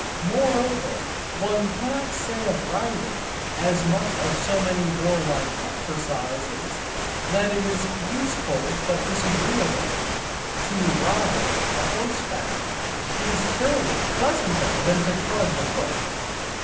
Moreover, one cannot say of riding as of so many warlike exercises that it is useful but disagreeable. To ride a horseback is surely pleasanter than to trudge a foot?